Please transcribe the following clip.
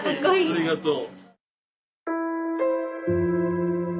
ありがとう。